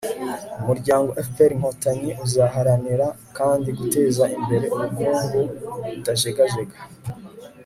umuryango fpr-inkotanyi uzaharanira kandi guteza imbere ubukungu butajegajega